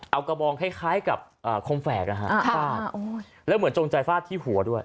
เอากระบองคล้ายคล้ายกับอ่าคมแฝกนะฮะค่ะโอ้ยแล้วเหมือนจงใจฟาดที่หัวด้วย